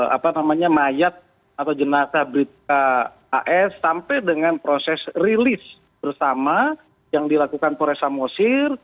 apa namanya mayat atau jenazah brip kas sampai dengan proses rilis bersama yang dilakukan polresa mosir